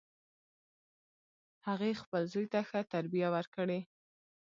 هغې خپل زوی ته ښه تربیه ورکړي